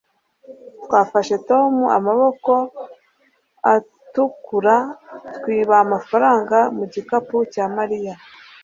twafashe tom amaboko atukura, twiba amafaranga mu gikapu cya mariya